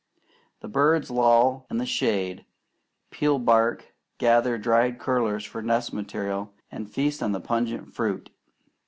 The birds loll in the shade, peel bark, gather dried curlers for nest material, and feast on the pungent fruit.